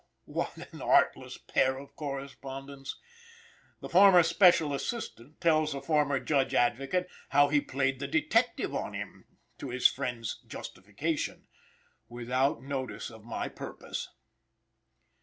Oh, what an artless pair of correspondents! The former Special Assistant tells the former Judge Advocate how he played the detective on him to his friend's justification; "without notice of my purpose"!